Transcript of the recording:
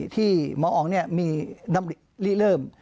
ที่หมออองเนี่ยมีนำลิเริ่ม